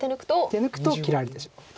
手抜くと切られてしまうと。